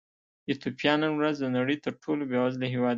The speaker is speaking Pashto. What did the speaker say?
ایتوپیا نن ورځ د نړۍ تر ټولو بېوزله هېواد دی.